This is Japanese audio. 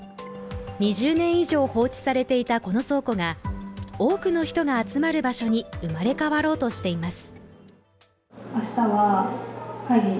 ２０年以上放置されていたこの倉庫が多くの人が集まる場所に生まれ変わろうとしています。